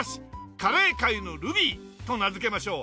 「カレー界のルビー」と名付けましょう。